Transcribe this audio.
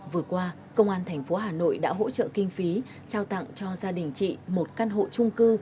vừa qua công an tp hà nội đã hỗ trợ kinh phí trao tặng cho gia đình chị một căn hộ trung cư